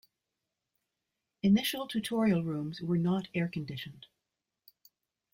Initial tutorial rooms were not air-conditioned.